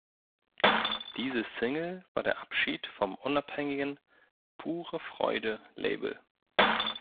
Diese Single war der Abschied vom unabhängigen "Pure Freude"-Label.